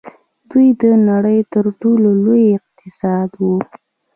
دوی د نړۍ تر ټولو لوی اقتصاد وو.